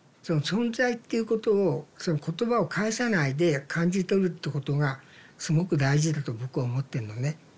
その存在っていうことをそういう言葉を介さないで感じ取るってことがすごく大事だと僕は思ってんのね。